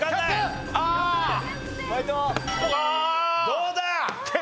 どうだ！